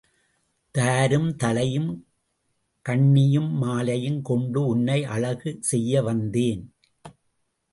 தாரும் தழையும் கண்ணியும் மாலையும் கொண்டு உன்னை அழகு செய்ய வந்தேன்.